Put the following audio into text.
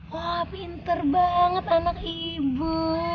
wah pinter banget anak ibu